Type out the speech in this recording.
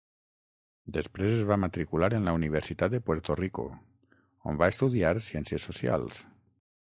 Després es va matricular en la Universitat de Puerto Rico on va estudiar Ciències Socials.